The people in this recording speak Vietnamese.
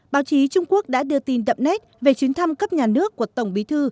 báo chí trung quốc đã đưa tin đậm nét về chuyến thăm cấp nhà nước của tổng bí thư